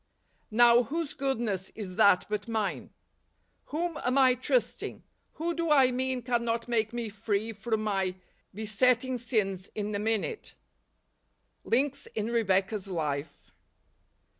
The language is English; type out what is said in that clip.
Now, whose goodness is that but mine? Whom am I trusting? Who do I mean cannot make me free from my besetting sins in a minute ? Links in Rebecca's Life.